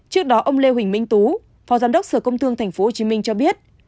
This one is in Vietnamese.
trước đó ông lê huỳnh minh tú phó giám đốc sở công thương tp hcm cho biết